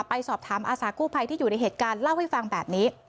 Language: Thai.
ไปสอบถามอาสากู้ภัยที่อยู่ในเหตุการณ์เล่าให้ฟังแบบนี้